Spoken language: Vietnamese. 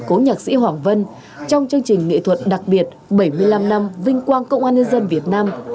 cố nhạc sĩ hoàng vân trong chương trình nghệ thuật đặc biệt bảy mươi năm năm vinh quang công an nhân dân việt nam